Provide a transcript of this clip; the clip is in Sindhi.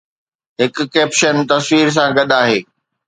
هڪ ڪيپشن تصوير سان گڏ آهي